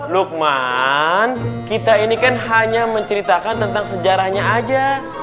lukman kita ini kan hanya menceritakan tentang sejarahnya aja